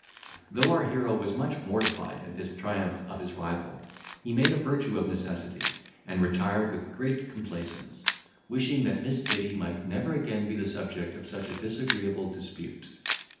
Though our hero was much mortified at this triumph of his rival, he made a virtue of necessity, and retired with great complaisance, wishing that Miss Biddy might never again be the subject of such a disagreeable dispute.